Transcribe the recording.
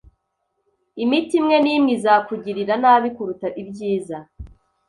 Imiti imwe nimwe izakugirira nabi kuruta ibyiza.